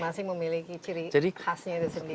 masing masing memiliki ciri khasnya itu sendiri